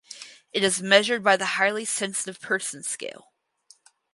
It is measured by the Highly Sensitive Person Scale.